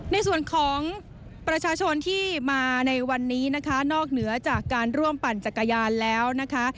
ในส่วนของประชาชนที่มาในวันนี้นะคะนอกเหนือจากการร่วมปั่นจักรยานแล้วนะคะ